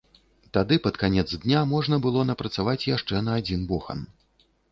Тады пад канец дня можна было напрацаваць яшчэ на адзін бохан.